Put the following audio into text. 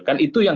kan itu yang